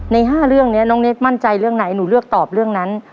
ใน๕เรื่องนี้น้องเนคมั่นใจเรื่องไหนหนูเลือกตอบเรื่องนั้น